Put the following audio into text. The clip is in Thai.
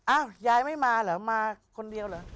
ยายไม่มาเหรอมาคนเดียวเหรอ